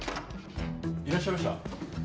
いらっしゃいました。